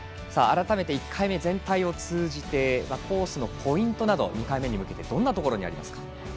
改めて、１回目全体を通じてコースのポイントなど２回目に向けてどんなところにありますか。